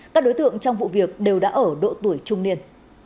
các đối tượng trong vụ việc đều đã ở độ tuổi trung niên